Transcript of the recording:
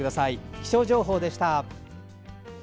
気象情報でした。